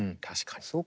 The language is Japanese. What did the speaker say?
確かに。